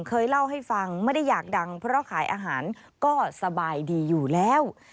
เคยเล่าให้ฟังไม่ได้อยากดังเพราะขายอาหารก็สบายดีอยู่แล้ว